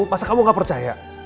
masa kamu gak percaya